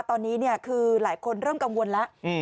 ตอนนี้คือหลายคนเริ่มกังวลแล้ว